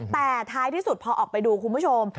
แต่ท้ายที่สุดพอออกไปดูคุณผู้ชม